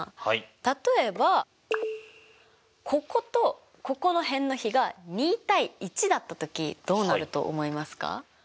例えばこことここの辺の比が２：１だった時どうなると思いますか？